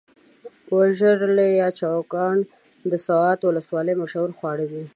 ورژلي يا چوکاڼ د سوات ولسوالۍ مشهور خواړه دي.